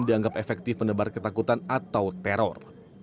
dianggap efektif menebar ketakutan atau teror